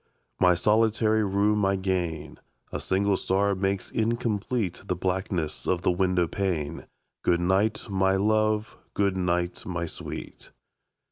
My solitary room I gain. A single star makes incomplete The blackness of the window pane. Good night, my love! good night, my sweet!